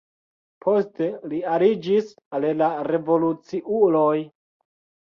Poste li aliĝis al la revoluciuloj.